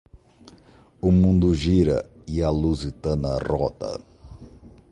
O mundo gira e a Luzitana roda.